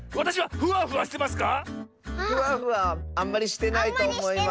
フワフワあんまりしてないとおもいます。